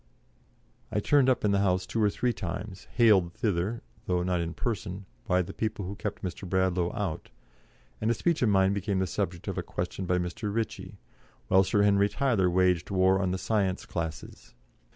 I turned up in the House two or three times, haled thither, though not in person, by the people who kept Mr. Bradlaugh out, and a speech of mine became the subject of a question by Mr. Ritchie, while Sir Henry Tyler waged war on the science classes.